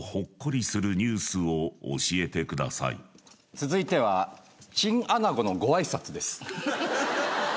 続いてはチンアナゴのごあいさつです。